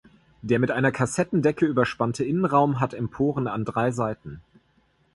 Der mit einer Kassettendecke überspannte Innenraum hat Emporen an drei Seiten.